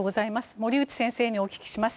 森内先生にお聞きします。